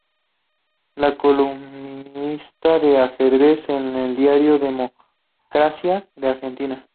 Es columnista de ajedrez en el diario Democracia, de Argentina.